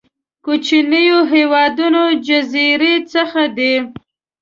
کوچنيو هېوادونو جزيرو څخه دي.